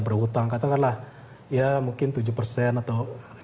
berhutang katakanlah ya mungkin tujuh persen atau